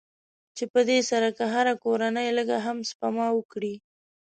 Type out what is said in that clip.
چې په دې سره که هره کورنۍ لږ هم سپما وکړي.